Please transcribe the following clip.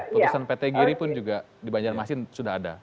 putusan pt giri pun juga di banjarmasin sudah ada